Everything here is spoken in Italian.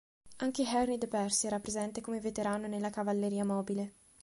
Anche Henry de Percy era presente come veterano nella cavalleria mobile.